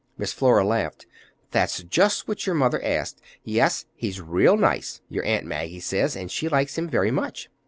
Miss Flora laughed. "That's just what your mother asked. Yes, he's real nice, your Aunt Maggie says, and she likes him very much."